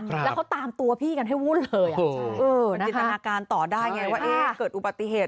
ครับแล้วเขาตามตัวพี่กันให้วุ่นเลยอ่ะโอ้โหเออนะคะมันกิจตนาการต่อได้ไงว่าเอ๊ะเกิดอุบัติเหตุ